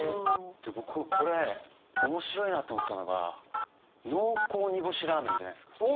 で僕これ面白いなと思ったのが「濃厚煮干しラーメン」じゃないですか。